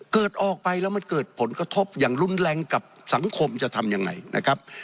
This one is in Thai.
เกิดออกไปแล้วมันเกิดผลกระทบอย่างรุนแรงกับสังคมจะทำยังไงนะครับ